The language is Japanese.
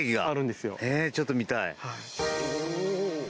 ちょっと見たいですね。